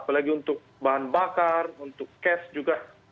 apalagi untuk bahan bakar untuk cash juga